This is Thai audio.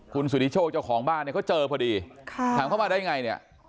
คุณสุธิโชคเจ้าของบ้านเนี่ยเขาเจอพอดีถามเข้ามาได้ไงเนี่ย